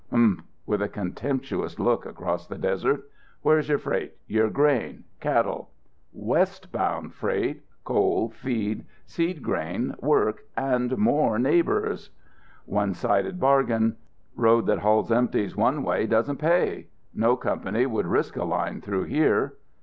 "Humph!" With a contemptuous look across the desert. "Where's your freight, your grain, cattle " "West bound freight, coal, feed, seed grain, work, and more neighbours." "One sided bargain. Road that hauls empties one way doesn't pay. No company would risk a line through here."